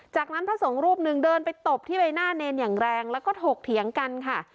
จากนั้นพระสงฆ์รูปหนึ่งเดินไปตบที่ใบหน้าเนรอย่างแรงแล้วก็ถกเถียงกันค่ะ